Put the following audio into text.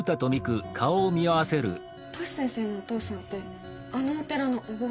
トシ先生のお父さんってあのお寺のお坊さん？